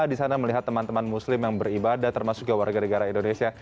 di sana melihat teman teman muslim yang beribadah termasuk juga warga negara indonesia